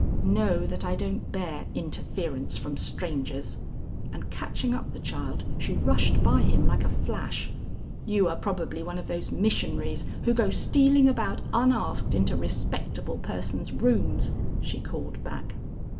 "Know that I don't bear interference from strangers." And catching up the child, she rushed by him like a flash. "You are probably one of those missionaries who go stealing about unasked into respectable persons' rooms," she called back.